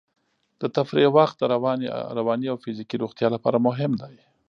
د تفریح وخت د رواني او فزیکي روغتیا لپاره مهم دی.